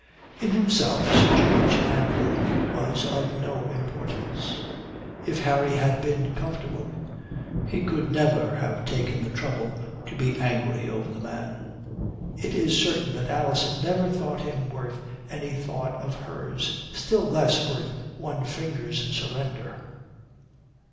In himself Sir George Anville was of no importance. If Harry had been comfortable he could never have taken the trouble to be angry over the man. It is certain that Alison never thought him worth any thought of hers, still less worth one finger's surrender.